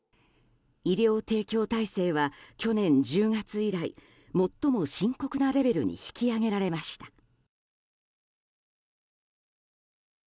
医療提供体制は去年１０月以来最も深刻なレベルに引き上げられました。